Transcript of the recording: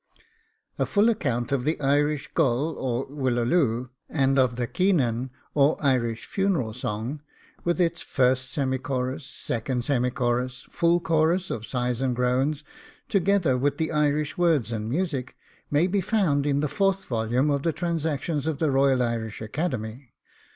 A full account of the Irish Gol, or Ullaloo, and of the Caoinan or Irish funeral song, with its first semichorus, second semichorus, full chorus of sighs and groans, together with the Irish words and music, may be found in the fourth volume of the TRANSACTIONS OF THE ROYAL IRISH ACADEMY.